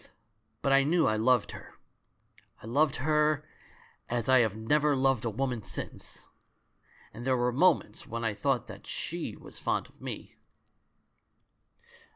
But I knew I loved her. I loved her as I have never loved a woman since — and there were moments when I thought that she was fond of m^."